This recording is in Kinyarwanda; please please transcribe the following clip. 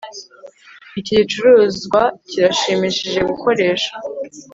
Iki gicuruzwa kirashimishije gukoresha